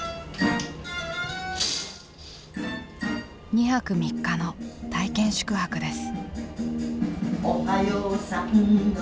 ２泊３日の体験宿泊です。